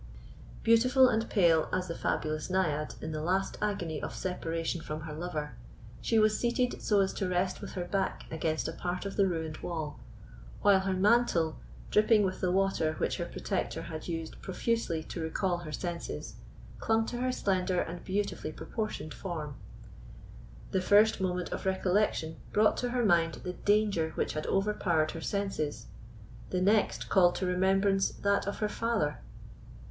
Beautiful and pale as the fabulous Naiad in the last agony of separation from her lover, she was seated so as to rest with her back against a part of the ruined wall, while her mantle, dripping with the water which her protector had used profusely to recall her senses, clung to her slender and beautifully proportioned form. The first moment of recollection brought to her mind the danger which had overpowered her senses; the next called to remembrance that of her father.